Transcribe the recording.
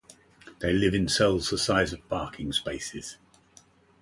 They live in cells the size of parking spaces.